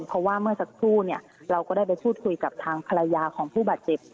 เพราะว่าเมื่อสักครู่เราก็ได้ไปพูดคุยกับทางภรรยาของผู้บาดเจ็บ